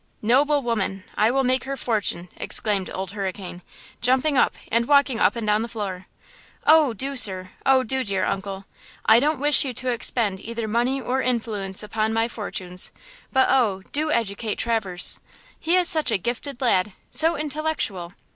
"Noble woman! I will make her fortune!" exclaimed Old Hurricane, jumping up and walking up and down the floor. "Oh, do, sir! Oh, do, dear uncle! I don't wish you to expend either money or influence upon my fortunes; but, oh, do educate Traverse! He is such a gifted lad–so intellectual!